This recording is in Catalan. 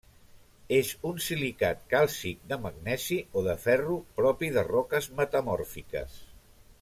És un silicat càlcic de magnesi o de ferro propi de roques metamòrfiques.